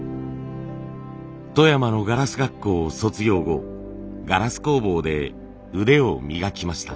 富山のガラス学校を卒業後ガラス工房で腕を磨きました。